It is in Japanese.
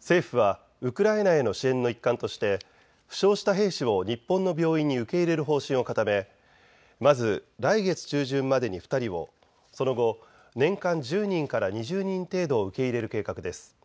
政府はウクライナへの支援の一環として負傷した兵士を日本の病院に受け入れる方針を固め、まず来月中旬までに２人を、その後、年間１０人から２０人程度を受け入れる計画です。